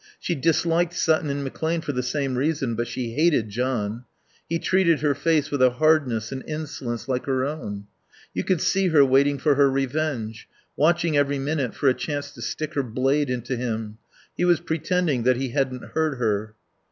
She disliked Sutton and McClane for the same reason, but she hated John. He treated her face with a hardness and insolence like her own. You could see her waiting for her revenge, watching every minute for a chance to stick her blade into him. He was pretending that he hadn't heard her.